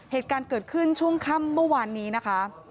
เหตุการณ์เกิดขึ้นช่วงค่ำเมื่อวานนี้นะคะ